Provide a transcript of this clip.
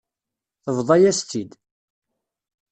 Tebḍa-yas-tt-id.